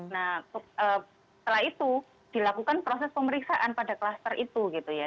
nah setelah itu dilakukan proses pemeriksaan pada kluster itu gitu ya